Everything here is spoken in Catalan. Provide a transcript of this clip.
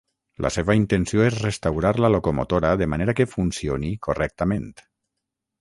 La seva intenció és restaurar la locomotora de manera que funcioni correctament.